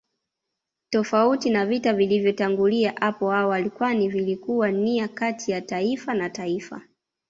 Tofauti na vita vilivyotangulia apo awali kwani vilikuwa nia kati ya taifa na taifa